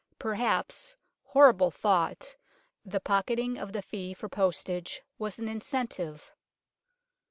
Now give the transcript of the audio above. Perhaps horrible thought ! the pocketing of the fee for postage was an incentive.